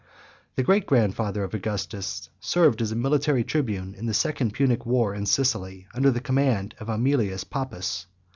The great grandfather of Augustus served as a military tribune in the second Punic war in Sicily, under the command of Aemilius Pappus.